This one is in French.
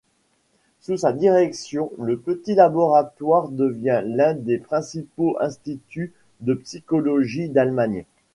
Sous sa direction le petit laboratoire devient l'un des principaux instituts de psychologie d'Allemagne.